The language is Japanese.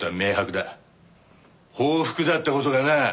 報復だった事がな。